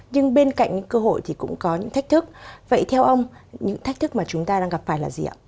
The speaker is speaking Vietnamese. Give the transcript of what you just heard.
nhưng bên cạnh những cơ hội thì cũng có những thách thức vậy theo ông những thách thức mà chúng ta đang gặp phải là gì ạ